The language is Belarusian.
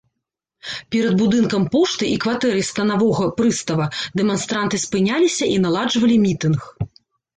Перад будынкам пошты і кватэрай станавога прыстава дэманстранты спыняліся і наладжвалі мітынг.